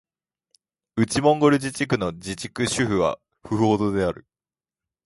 内モンゴル自治区の自治区首府はフフホトである